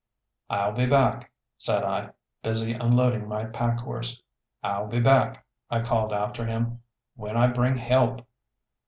"I'll be back," said I, busy unloading my pack horse. "I'll be back," I called after him, "when I bring help!"